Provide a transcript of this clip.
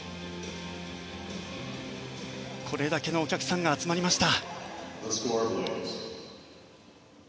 これだけのお客さんが集まりました。